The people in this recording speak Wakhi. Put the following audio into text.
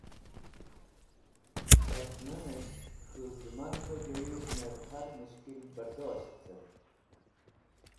Tat Nan es̃h K̃hu Zemanve Joyuvner har Musibat Bardosht Cart